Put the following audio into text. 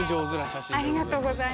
ありがとうございます。